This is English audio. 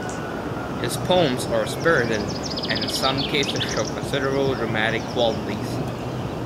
His poems are spirited, and in some cases show considerable dramatic qualities.